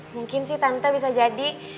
mungkin sih tante bisa jadi